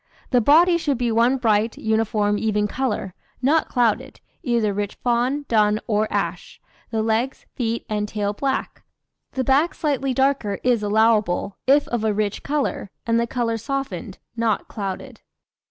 The body should be one bright, uniform, even colour, not clouded, either rich fawn, dun, or ash. The legs, feet, and tail black. The back slightly darker is allowable, if of a rich colour, and the colour softened, not clouded.